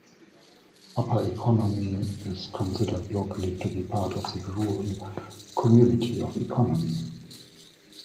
Upper Economy is considered locally to be part of the rural community of Economy.